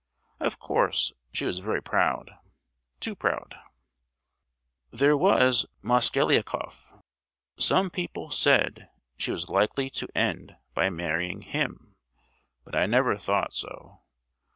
Of course, she was very proud—too proud. There was Mosgliakoff—some people said she was likely to end by marrying him; but I never thought so.